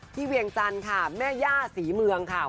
เวียงจันทร์ค่ะแม่ย่าศรีเมืองค่ะ